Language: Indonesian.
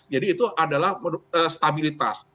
jadi itu adalah stabilitas